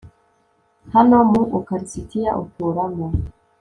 hano, mu ukarisitiya uturamo